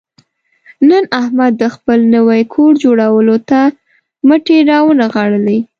نن احمد د خپل نوي کور جوړولو ته مټې را ونغاړلې.